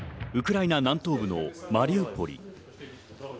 ウクライナ南東部のマリウポリ。